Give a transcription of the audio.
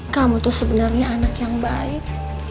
kamu tuh sebenarnya anak yang baik